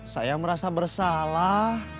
saya merasa bersalah